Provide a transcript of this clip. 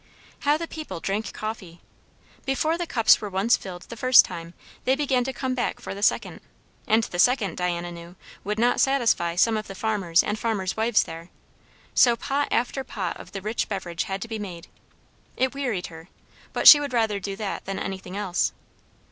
How the people drank coffee! Before the cups were once filled the first time, they began to come back for the second; and the second, Diana knew, would not satisfy some of the farmers and farmers' wives there. So pot after pot of the rich beverage had to be made. It wearied her; but she would rather do that than anything else.